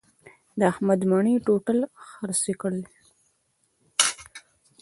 احمد مڼې ټوټل خرڅې کړلې.